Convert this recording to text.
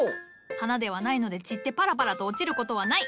花ではないので散ってパラパラと落ちることはない。